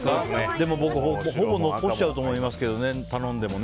でも僕、ほぼ残しちゃうと思いますけどね頼んでもね。